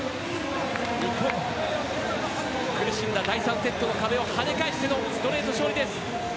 日本、苦しんだ第３セットの壁をはね返してのストレート勝利です！